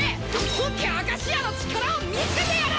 本家明石屋の力を見せてやる！